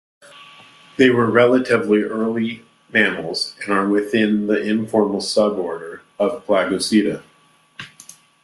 They were relatively early mammals and are within the informal suborder of "Plagiaulacida".